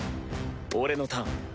俺のターン。